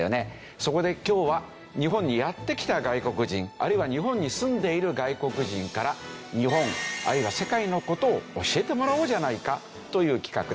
そこで今日は日本にやって来た外国人あるいは日本に住んでいる外国人から日本あるいは世界の事を教えてもらおうじゃないかという企画です。